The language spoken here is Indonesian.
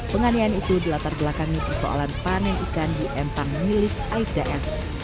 penganiayaan itu dilatar belakangi persoalan panen ikan di empang milik aibda s